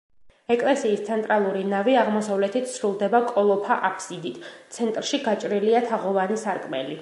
ეკლესიის ცენტრალური ნავი აღმოსავლეთით სრულდება კოლოფა აბსიდით, ცენტრში გაჭრილია თაღოვანი სარკმელი.